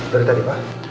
dari tadi pak